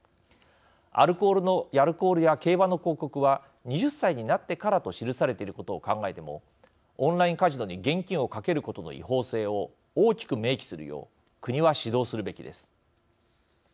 アルコールや競馬の広告は２０歳になってからと記されていることを考えてもオンラインカジノに現金をかけることの違法性を大きく明記するよう国は指導するべきです。